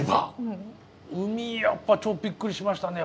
海やっぱちょっとびっくりしましたね。